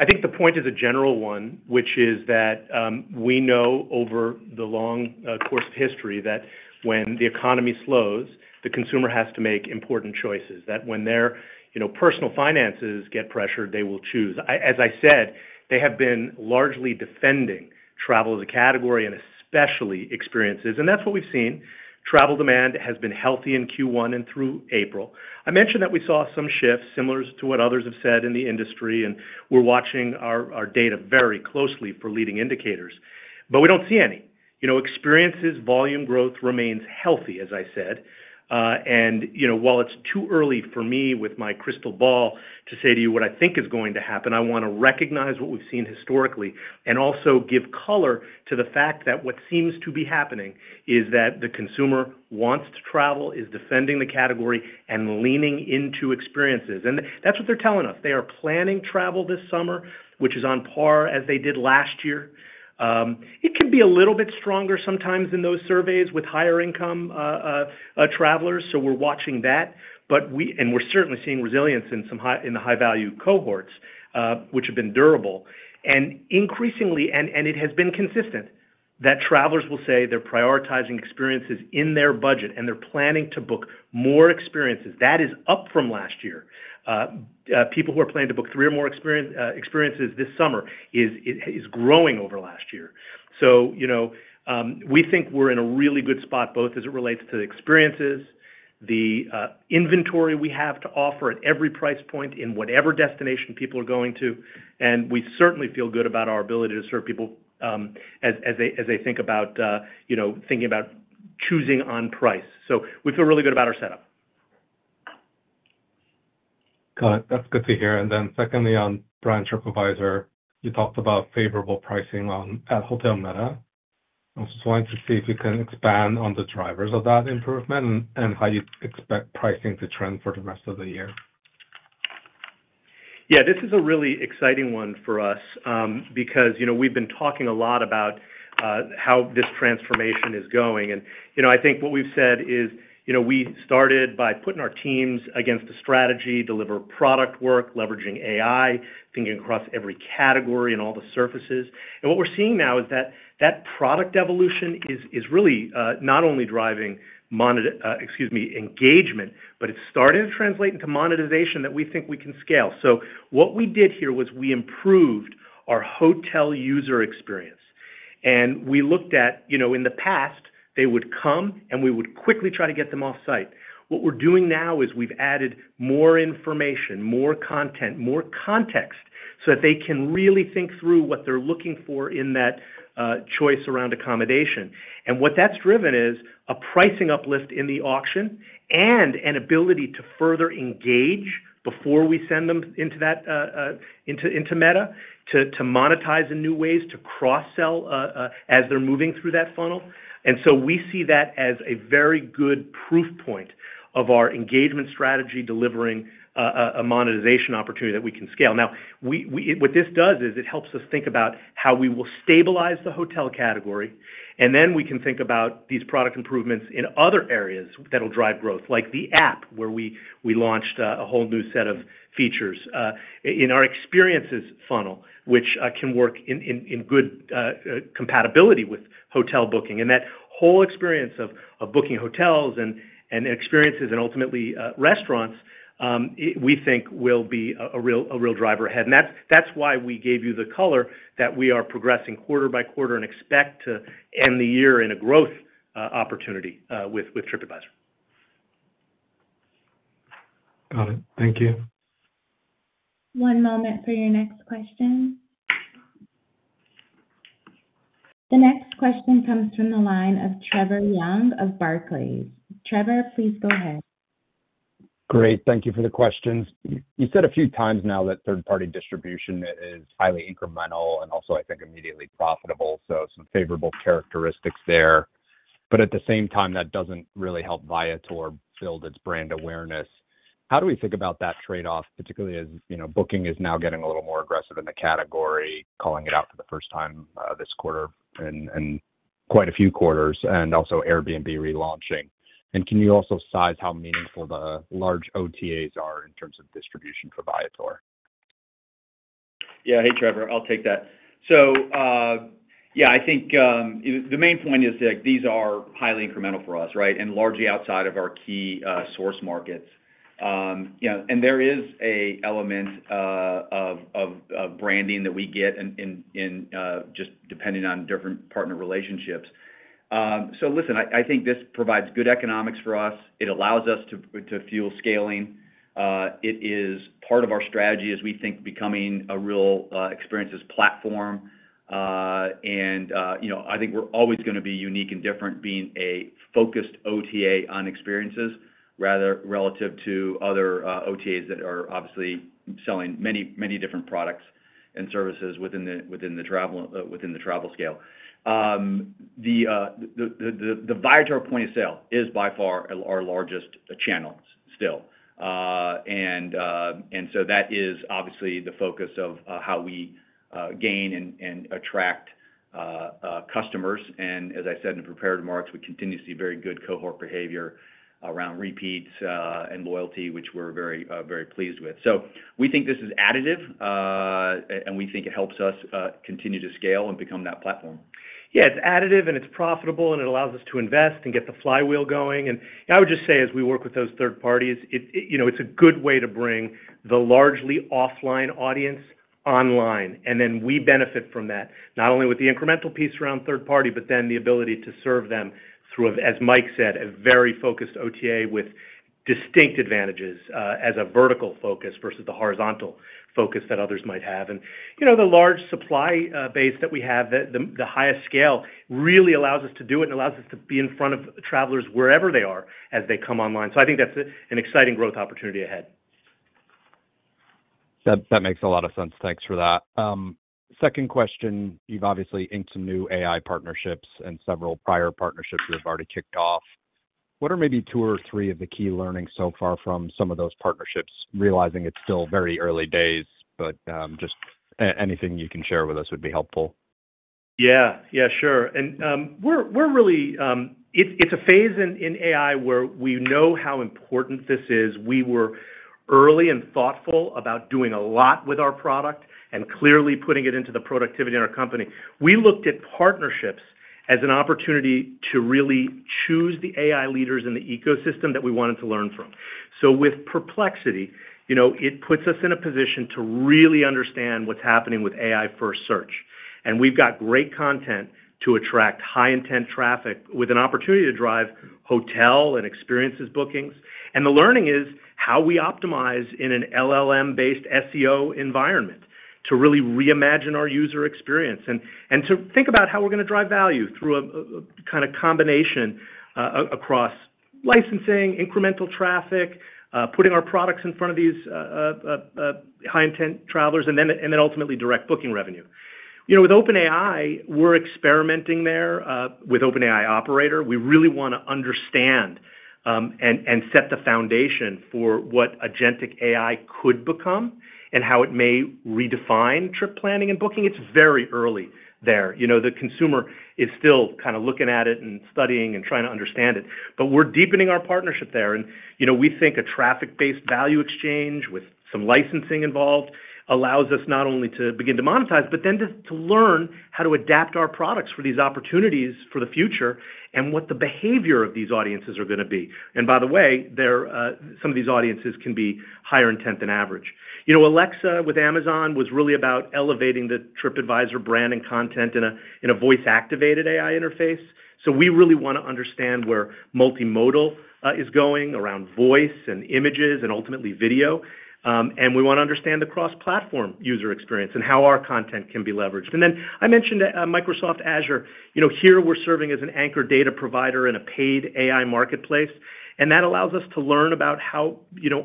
I think the point is a general one, which is that we know over the long course of history that when the economy slows, the consumer has to make important choices. That when their personal finances get pressured, they will choose. As I said, they have been largely defending travel as a category and especially experiences. That is what we have seen. Travel demand has been healthy in Q1 and through April. I mentioned that we saw some shifts similar to what others have said in the industry, and we are watching our data very closely for leading indicators. We do not see any. Experiences volume growth remains healthy, as I said. While it is too early for me with my crystal ball to say to you what I think is going to happen, I want to recognize what we have seen historically and also give color to the fact that what seems to be happening is that the consumer wants to travel, is defending the category, and leaning into experiences. That is what they are telling us. They are planning travel this summer, which is on par as they did last year. It can be a little bit stronger sometimes in those surveys with higher-income travelers. We're watching that. We're certainly seeing resilience in the high-value cohorts, which have been durable. It has been consistent that travelers will say they're prioritizing experiences in their budget, and they're planning to book more experiences. That is up from last year. People who are planning to book three or more experiences this summer is growing over last year. We think we're in a really good spot both as it relates to the experiences, the inventory we have to offer at every price point in whatever destination people are going to. We certainly feel good about our ability to serve people as they think about thinking about choosing on price. We feel really good about our setup. Got it. That's good to hear. Secondly, on branch supervisor, you talked about favorable pricing at Hotel Meta. I was just wanting to see if you can expand on the drivers of that improvement and how you expect pricing to trend for the rest of the year. Yeah, this is a really exciting one for us because we've been talking a lot about how this transformation is going. I think what we've said is we started by putting our teams against a strategy, deliver product work, leveraging AI, thinking across every category and all the surfaces. What we're seeing now is that that product evolution is really not only driving, excuse me, engagement, but it's starting to translate into monetization that we think we can scale. What we did here was we improved our hotel user experience. We looked at in the past, they would come, and we would quickly try to get them off-site. What we are doing now is we have added more information, more content, more context so that they can really think through what they are looking for in that choice around accommodation. What that has driven is a pricing uplift in the auction and an ability to further engage before we send them into Meta to monetize in new ways to cross-sell as they are moving through that funnel. We see that as a very good proof point of our engagement strategy delivering a monetization opportunity that we can scale. What this does is it helps us think about how we will stabilize the hotel category. We can think about these product improvements in other areas that will drive growth, like the app where we launched a whole new set of features in our experiences funnel, which can work in good compatibility with hotel booking. That whole experience of booking hotels and experiences and ultimately restaurants, we think will be a real driver ahead. That is why we gave you the color that we are progressing quarter by quarter and expect to end the year in a growth opportunity with Tripadvisor. Got it. Thank you. One moment for your next question. The next question comes from the line of Trevor Young of Barclays. Trevor, please go ahead. Great. Thank you for the questions. You said a few times now that third-party distribution is highly incremental and also, I think, immediately profitable. Some favorable characteristics there. At the same time, that does not really help Viator build its brand awareness. How do we think about that trade-off, particularly as Booking is now getting a little more aggressive in the category, calling it out for the first time this quarter in quite a few quarters, and also Airbnb relaunching? Can you also size how meaningful the large OTAs are in terms of distribution for Viator? Yeah. Hey, Trevor. I'll take that. Yeah, I think the main point is that these are highly incremental for us, right, and largely outside of our key source markets. There is an element of branding that we get in just depending on different partner relationships. Listen, I think this provides good economics for us. It allows us to fuel scaling. It is part of our strategy as we think about becoming a real experiences platform. I think we're always going to be unique and different being a focused OTA on experiences rather than relative to other OTAs that are obviously selling many different products and services within the travel scale. The Viator point of sale is by far our largest channel still. That is obviously the focus of how we gain and attract customers. As I said in the prepared remarks, we continue to see very good cohort behavior around repeats and loyalty, which we're very pleased with. We think this is additive, and we think it helps us continue to scale and become that platform. Yeah, it's additive, and it's profitable, and it allows us to invest and get the flywheel going. I would just say as we work with those third parties, it's a good way to bring the largely offline audience online. We benefit from that, not only with the incremental piece around third party, but then the ability to serve them through, as Mike said, a very focused OTA with distinct advantages as a vertical focus versus the horizontal focus that others might have. The large supply base that we have, the highest scale, really allows us to do it and allows us to be in front of travelers wherever they are as they come online. I think that's an exciting growth opportunity ahead. That makes a lot of sense. Thanks for that. Second question, you've obviously inked some new AI partnerships and several prior partnerships you have already kicked off. What are maybe two or three of the key learnings so far from some of those partnerships? Realizing it's still very early days, but just anything you can share with us would be helpful. Yeah. Yeah, sure. It's a phase in AI where we know how important this is. We were early and thoughtful about doing a lot with our product and clearly putting it into the productivity of our company. We looked at partnerships as an opportunity to really choose the AI leaders in the ecosystem that we wanted to learn from. With Perplexity, it puts us in a position to really understand what's happening with AI-first search. We've got great content to attract high-intent traffic with an opportunity to drive hotel and experiences bookings. The learning is how we optimize in an LLM-based SEO environment to really reimagine our user experience and to think about how we're going to drive value through a kind of combination across licensing, incremental traffic, putting our products in front of these high-intent travelers, and then ultimately direct booking revenue. With OpenAI, we're experimenting there with OpenAI Operator. We really want to understand and set the foundation for what agentic AI could become and how it may redefine trip planning and booking. It's very early there. The consumer is still kind of looking at it and studying and trying to understand it. We are deepening our partnership there. We think a traffic-based value exchange with some licensing involved allows us not only to begin to monetize, but then to learn how to adapt our products for these opportunities for the future and what the behavior of these audiences are going to be. By the way, some of these audiences can be higher intent than average. Alexa with Amazon was really about elevating the Tripadvisor brand and content in a voice-activated AI interface. We really want to understand where multimodal is going around voice and images and ultimately video. We want to understand the cross-platform user experience and how our content can be leveraged. I mentioned Microsoft Azure. Here, we're serving as an anchor data provider in a paid AI marketplace. That allows us to learn about how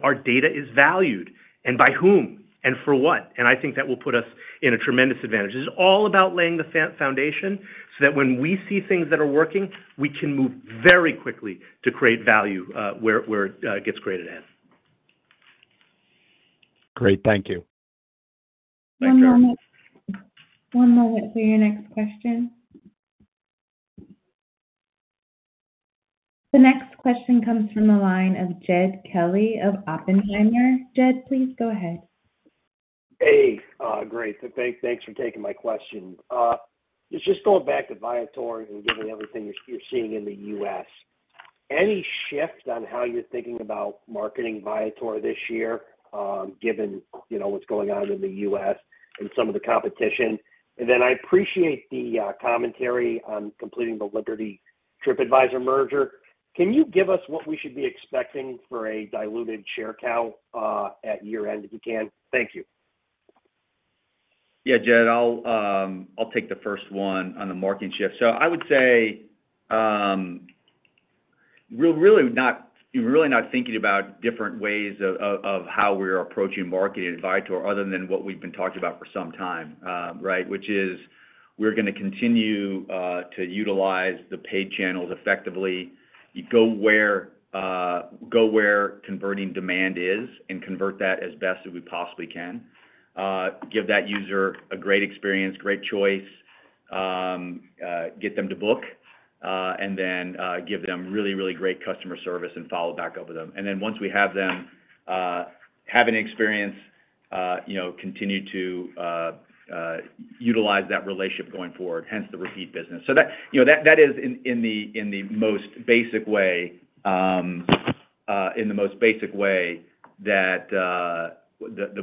our data is valued and by whom and for what. I think that will put us in a tremendous advantage. It's all about laying the foundation so that when we see things that are working, we can move very quickly to create value where it gets created at. Great. Thank you. Thanks, John. One moment for your next question. The next question comes from the line of Jed Kelly of Oppenheimer. Jed, please go ahead. Hey. Great. Thanks for taking my question. Just going back to Viator and given everything you're seeing in the U.S., any shift on how you're thinking about marketing Viator this year given what's going on in the U.S. and some of the competition? I appreciate the commentary on completing the Liberty TripAdvisor merger. Can you give us what we should be expecting for a diluted share count at year-end if you can? Thank you. Yeah, Jed, I'll take the first one on the marketing shift. I would say we're really not thinking about different ways of how we're approaching marketing at Viator other than what we've been talking about for some time, right, which is we're going to continue to utilize the paid channels effectively. Go where converting demand is and convert that as best as we possibly can. Give that user a great experience, great choice, get them to book, and then give them really, really great customer service and follow back up with them. Once we have them have an experience, continue to utilize that relationship going forward, hence the repeat business. That is in the most basic way, in the most basic way, the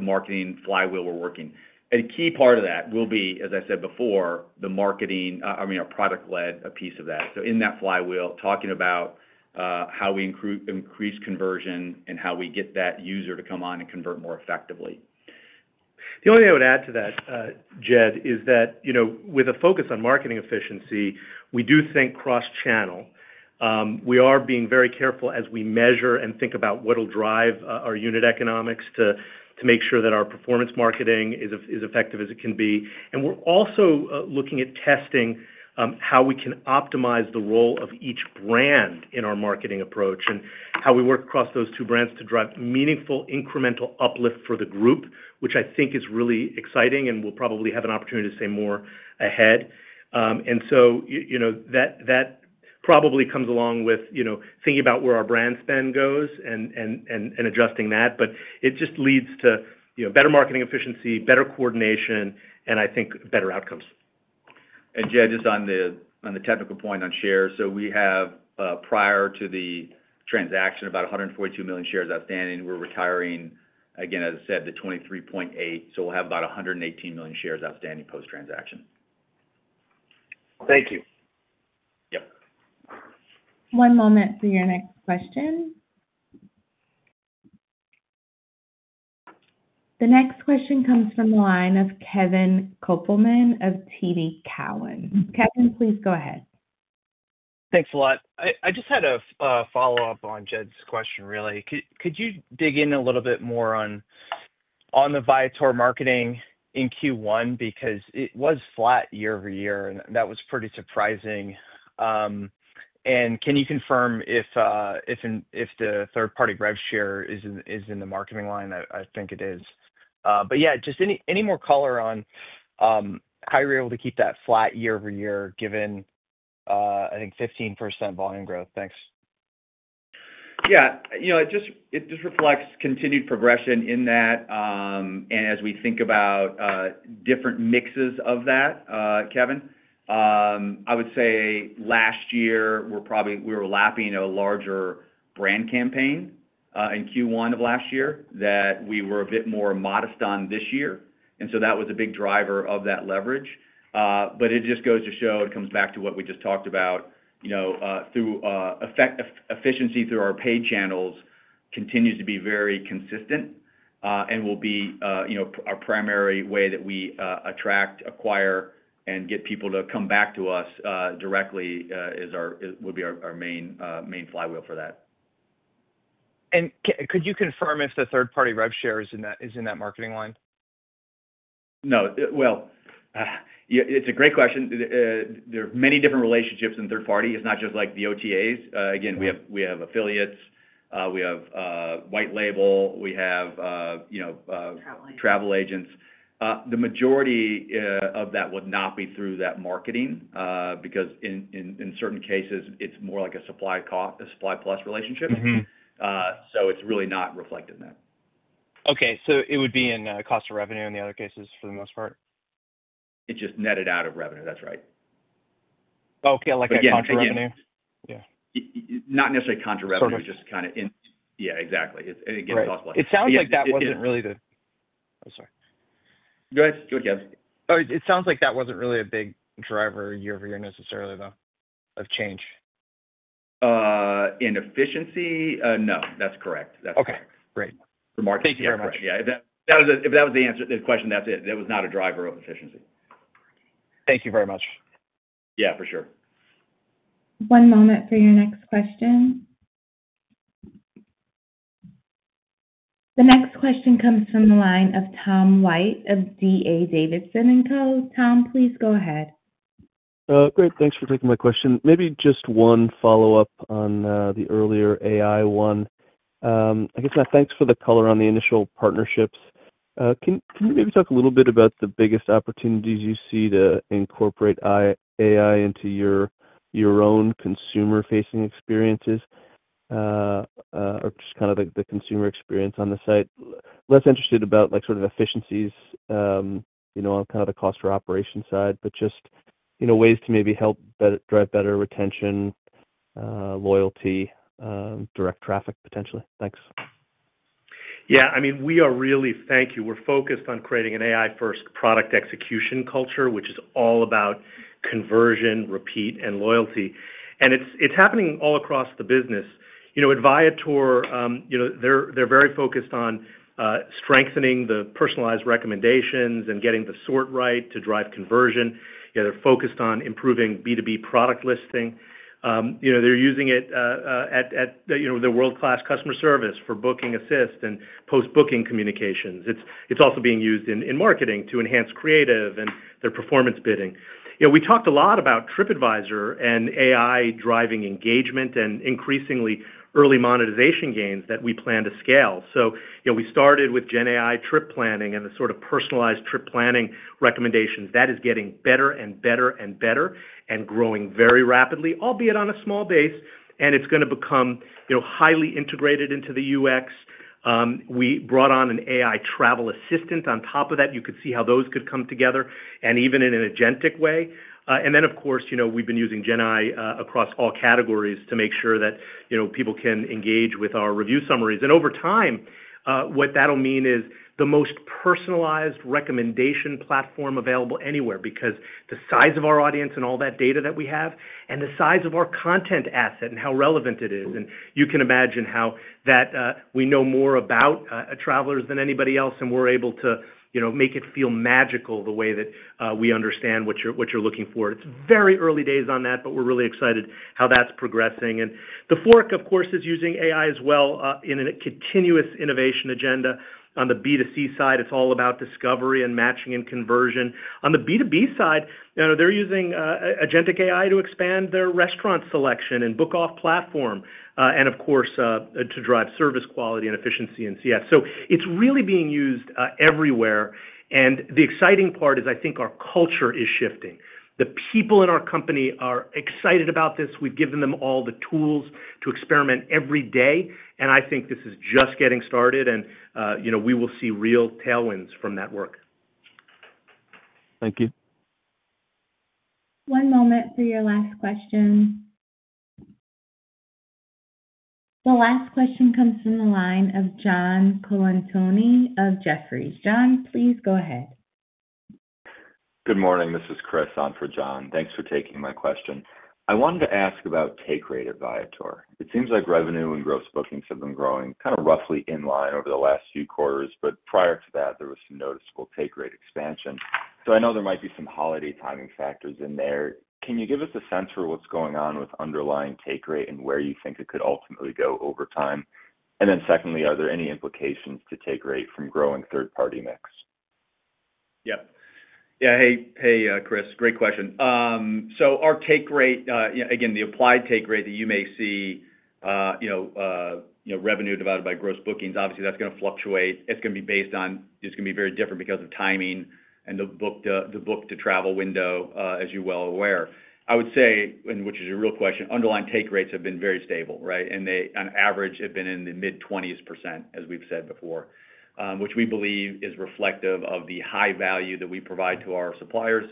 marketing flywheel we're working. A key part of that will be, as I said before, the marketing, I mean, a product-led piece of that. In that flywheel, talking about how we increase conversion and how we get that user to come on and convert more effectively. The only thing I would add to that, Jed, is that with a focus on marketing efficiency, we do think cross-channel. We are being very careful as we measure and think about what will drive our unit economics to make sure that our performance marketing is as effective as it can be. We're also looking at testing how we can optimize the role of each brand in our marketing approach and how we work across those two brands to drive meaningful incremental uplift for the group, which I think is really exciting and we'll probably have an opportunity to say more ahead. That probably comes along with thinking about where our brand spend goes and adjusting that. It just leads to better marketing efficiency, better coordination, and I think better outcomes. Jed, just on the technical point on shares. We have, prior to the transaction, about 142 million shares outstanding. We're retiring, again, as I said, the 23.8. We'll have about 118 million shares outstanding post-transaction. Thank you. Yep. One moment for your next question. The next question comes from the line of Kevin Koppelman of TD Cowen. Kevin, please go ahead. Thanks a lot. I just had a follow-up on Jed's question, really. Could you dig in a little bit more on the Viator marketing in Q1 because it was flat year-over-year, and that was pretty surprising? And can you confirm if the third-party rev share is in the marketing line? I think it is. But yeah, just any more color on how you're able to keep that flat year-over-year given, I think, 15% volume growth? Thanks. Yeah. It just reflects continued progression in that. As we think about different mixes of that, Kevin, I would say last year, we were lapping a larger brand campaign in Q1 of last year that we were a bit more modest on this year. That was a big driver of that leverage. It just goes to show it comes back to what we just talked about through efficiency through our paid channels continues to be very consistent and will be our primary way that we attract, acquire, and get people to come back to us directly would be our main flywheel for that. Could you confirm if the third-party rev share is in that marketing line? No. It is a great question. There are many different relationships in third party. It is not just like the OTAs. Again, we have affiliates. We have white label. We have travel agents. The majority of that would not be through that marketing because in certain cases, it's more like a supply-plus relationship. So it's really not reflected in that. Okay. So it would be in cost of revenue in the other cases for the most part? It's just netted out of revenue. That's right. Okay. Like a contra revenue? Yeah. Not necessarily contra revenue. It's just kind of in, yeah, exactly. It's against cost-plus. It sounds like that wasn't really the— I'm sorry. Go ahead. Go ahead, Kevin. It sounds like that wasn't really a big driver year-over-year necessarily, though, of change. In efficiency? No. That's correct. That's correct. Okay. Great. For marketing structure. Yeah. If that was the answer to the question, that's it. That was not a driver of efficiency. Thank you very much. Yeah, for sure. One moment for your next question. The next question comes from the line of Tom White of D.A. Davidson & Co. Tom, please go ahead. Great. Thanks for taking my question. Maybe just one follow-up on the earlier AI one. I guess my thanks for the color on the initial partnerships. Can you maybe talk a little bit about the biggest opportunities you see to incorporate AI into your own consumer-facing experiences or just kind of the consumer experience on the site? Less interested about sort of efficiencies on kind of the cost-per-operation side, but just ways to maybe help drive better retention, loyalty, direct traffic, potentially. Thanks. Yeah. I mean, we are really, thank you. We're focused on creating an AI-first product execution culture, which is all about conversion, repeat, and loyalty. And it's happening all across the business. At Viator, they're very focused on strengthening the personalized recommendations and getting the sort right to drive conversion. They're focused on improving B2B product listing. They're using it at the world-class customer service for booking assist and post-booking communications. It's also being used in marketing to enhance creative and their performance bidding. We talked a lot about Tripadvisor and AI driving engagement and increasingly early monetization gains that we plan to scale. We started with GenAI trip planning and the sort of personalized trip planning recommendations. That is getting better and better and better and growing very rapidly, albeit on a small base. It's going to become highly integrated into the UX. We brought on an AI travel assistant on top of that. You could see how those could come together and even in an agentic way. Of course, we've been using GenAI across all categories to make sure that people can engage with our review summaries. Over time, what that will mean is the most personalized recommendation platform available anywhere because the size of our audience and all that data that we have and the size of our content asset and how relevant it is. You can imagine how we know more about travelers than anybody else, and we're able to make it feel magical the way that we understand what you're looking for. It's very early days on that, but we're really excited how that's progressing. TheFork, of course, is using AI as well in a continuous innovation agenda. On the B2C side, it's all about discovery and matching and conversion. On the B2B side, they're using agentic AI to expand their restaurant selection and book off platform and, of course, to drive service quality and efficiency and CS. It is really being used everywhere. The exciting part is, I think, our culture is shifting. The people in our company are excited about this. We've given them all the tools to experiment every day. I think this is just getting started, and we will see real tailwinds from that work. Thank you. One moment for your last question. The last question comes from the line of John Colantuoni of Jefferies. John, please go ahead. Good morning. This is Chris on for John. Thanks for taking my question. I wanted to ask about take rate at Viator. It seems like revenue and gross bookings have been growing kind of roughly in line over the last few quarters, but prior to that, there was some noticeable take rate expansion. I know there might be some holiday timing factors in there. Can you give us a sense for what's going on with underlying take rate and where you think it could ultimately go over time? Secondly, are there any implications to take rate from growing third-party mix? Yep. Yeah. Hey, Chris. Great question. Our take rate, again, the applied take rate that you may see, revenue divided by gross bookings, obviously, that's going to fluctuate. It's going to be based on, it's going to be very different because of timing and the book-to-travel window, as you're well aware. I would say, and which is a real question, underlying take rates have been very stable, right? On average, they've been in the mid-20%, as we've said before, which we believe is reflective of the high value that we provide to our suppliers,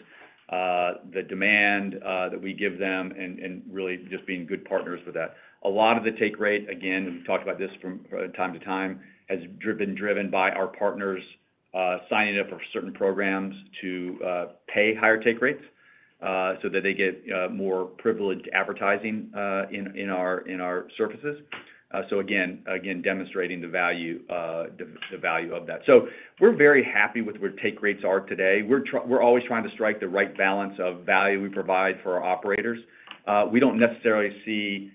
the demand that we give them, and really just being good partners with that. A lot of the take rate, again, we've talked about this from time to time, has been driven by our partners signing up for certain programs to pay higher take rates so that they get more privileged advertising in our services. Again, demonstrating the value of that. We're very happy with where take rates are today. We're always trying to strike the right balance of value we provide for our operators. We don't necessarily see,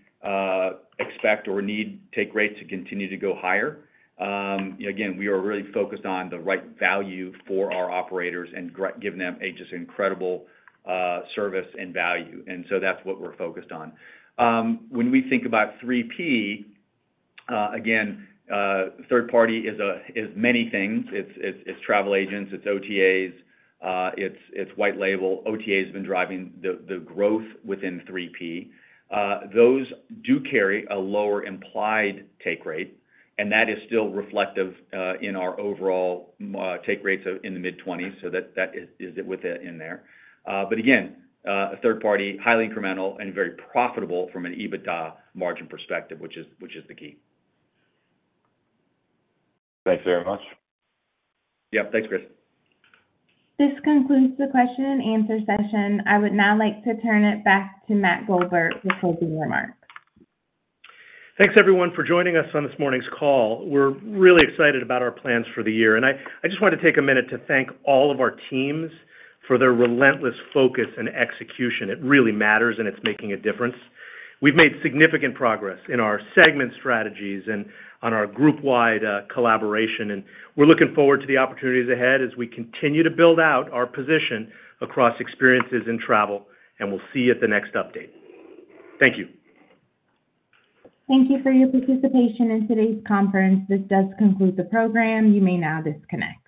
expect, or need take rates to continue to go higher. Again, we are really focused on the right value for our operators and giving them just incredible service and value. That is what we're focused on. When we think about 3P, again, third party is many things. It's travel agents. It's OTAs. It's white label. OTA has been driving the growth within 3P. Those do carry a lower implied take rate, and that is still reflective in our overall take rates in the mid-20%. That is with it in there. Again, a third party, highly incremental and very profitable from an EBITDA margin perspective, which is the key. Thanks very much. Yep. Thanks, Chris. This concludes the question-and-answer session. I would now like to turn it back to Matt Goldberg with closing remarks. Thanks, everyone, for joining us on this morning's call. We're really excited about our plans for the year. I just wanted to take a minute to thank all of our teams for their relentless focus and execution. It really matters, and it's making a difference. We've made significant progress in our segment strategies and on our group-wide collaboration. We're looking forward to the opportunities ahead as we continue to build out our position across experiences in travel. We'll see you at the next update. Thank you. Thank you for your participation in today's conference. This does conclude the program. You may now disconnect.